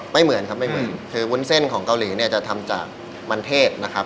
ไม่เหมือนครับไม่เหมือนคือวุ้นเส้นของเกาหลีเนี่ยจะทำจากมันเทศนะครับ